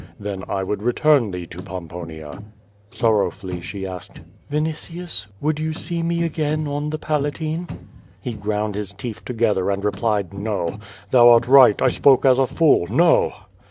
Then I would return thee to Pomponia." Sorrowfully she asked, "Vinitius, would j'ou see me again on the Palatine?" He ground his teeth together, and replied, "No. Thou art right. I spoke as a fool! No!"